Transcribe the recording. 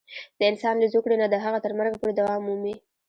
د انسان له زوکړې نه د هغه تر مرګه پورې دوام مومي.